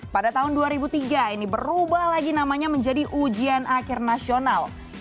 pada tahun dua ribu tiga ini berubah lagi namanya menjadi ujian akhir nasional